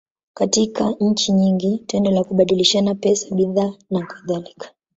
Katika nchi nyingi, tendo la kubadilishana pesa, bidhaa, nakadhalika.